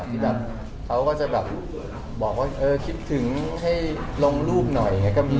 ที่เขาก็จะแบบบอกว่าคิดถึงให้ลงรูปหน่อยยังไงก็มี